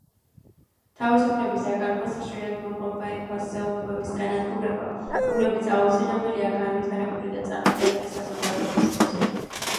თავისუფლების დაკარგვას ხშირად მოჰყვება იმ ფასეულობების განადგურება, რომლებიც აუცილებელია განვითარებული და წარმატებული საზოგადოებისთვის.